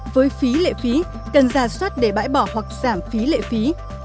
với phí lệ phí cần giả xuất để bãi bỏ hoặc giảm phí lệ phí